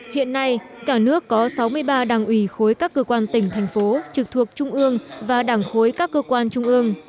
hiện nay cả nước có sáu mươi ba đảng ủy khối các cơ quan tỉnh thành phố trực thuộc trung ương và đảng khối các cơ quan trung ương